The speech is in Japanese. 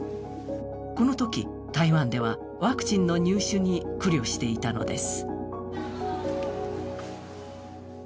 このとき台湾では、ワクチンの入手に苦慮していたのです。